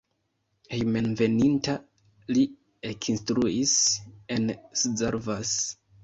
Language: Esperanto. Hejmenveninta li ekinstruis en Szarvas.